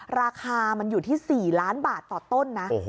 ราคามันอยู่ที่๔ล้านบาทต่อต้นนะ